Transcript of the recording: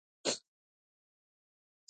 لومړۍ نوبت د ملاقاتونو و.